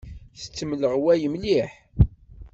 Tettemleɣway mliḥ.